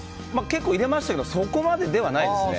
結構、入れましたけどそこまでではないですね。